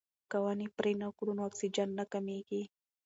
که ونې پرې نه کړو نو اکسیجن نه کمیږي.